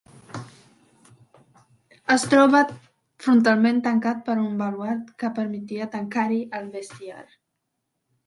Es troba frontalment tancat per un baluard, que permetia tancar-hi el bestiar.